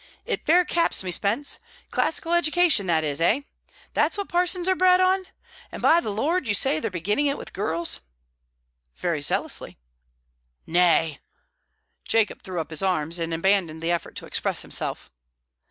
"It fair caps me, Spence! Classical education that is, eh? That's what parsons are bred on? And, by the Lord, you say they're beginning it with girls?" "Very zealously." "Nay !" Jacob threw up his arms, and abandoned the effort to express himself.